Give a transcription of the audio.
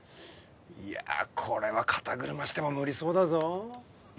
いやこれは肩車しても無理そうだぞ。